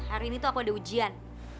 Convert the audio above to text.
hari ini tuh aku ada ujian